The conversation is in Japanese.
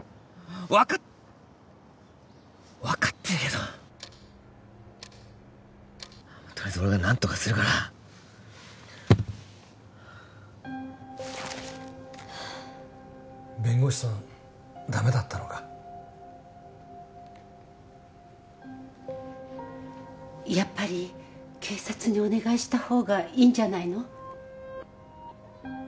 分かっ分かってるけどとりあえず俺が何とかするからはあ弁護士さんダメだったのかやっぱり警察にお願いした方がいいんじゃないの？